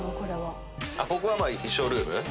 ここは衣装ルーム。